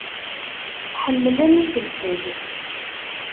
Ḥemmlen ifelfel.